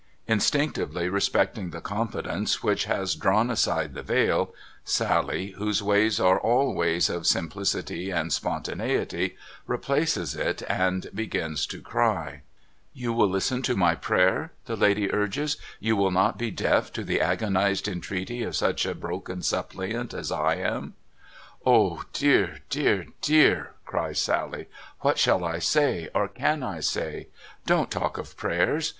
Instinctively respecting the confidence which has drawn aside the veil, Sally — whose ways are all ways of simplicity and spontaneity — replaces it, and begins to cry. SALLY AND THE VEILED LADY 473 ' You will listen to my prayer ?' the lady urges. ' You will not be deaf to the agonised entreaty of such a broken suppliant as I am ?'' O dear, dear, dear !' cries Sally. ' What shall I say, or can I say ! Don't talk of prayers.